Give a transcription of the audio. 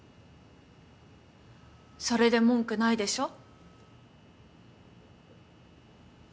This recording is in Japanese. それで文句ないでしょ？